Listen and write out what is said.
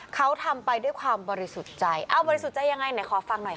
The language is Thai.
เขาทำไปด้วยความบริสุทธิ์ใจอ้าวบริสุทธิ์ใจยังไงไหนขอฟังหน่อยค่ะ